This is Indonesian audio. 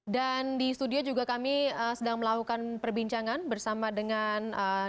dan di studio juga kami sedang melakukan perbincangan bersama dengan